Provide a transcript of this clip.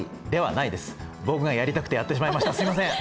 僕がやりたくてやってしまいましたすみません！